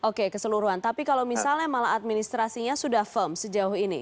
oke keseluruhan tapi kalau misalnya malah administrasinya sudah firm sejauh ini